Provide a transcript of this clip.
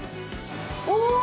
お！